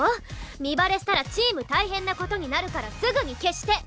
身バレしたらチーム大変な事になるからすぐに消して！